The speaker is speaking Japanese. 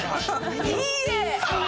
「いいえ！」。